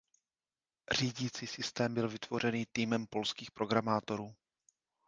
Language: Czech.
Řídící systém byl vytvořený týmem polských programátorů.